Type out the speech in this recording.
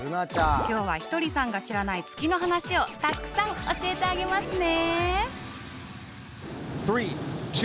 今日はひとりさんが知らない月の話をたくさん教えてあげますね！